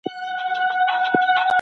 که خطرناک تماس شوی وي ازموینه مهمه ده.